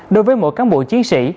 đối với mỗi cán bộ chiến sĩ